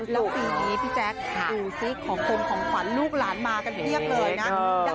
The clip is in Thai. แล้วปีนี้พี่แจ๊คดูสิของคนของขวัญลูกหลานมากันเพียบเลยนะ